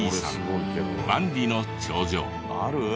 万里の長城。